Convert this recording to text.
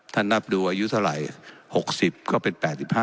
นับดูอายุเท่าไหร่๖๐ก็เป็น๘๕